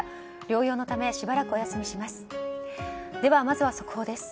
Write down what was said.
療養のためしばらくお休みします。